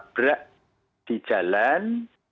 ditabrak di jalan